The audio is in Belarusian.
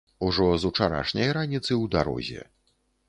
Ужо з учарашняй раніцы ў дарозе.